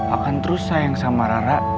akan terus sayang sama rara